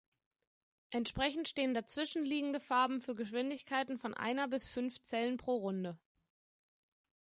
Entsprechend stehen dazwischen liegende Farben für Geschwindigkeiten von einer bis fünf Zellen pro Runde.